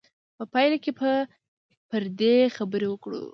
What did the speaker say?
په پایله کې به پر دې خبرې وکړو.